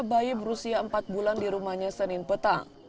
bayi berusia empat bulan di rumahnya senin petang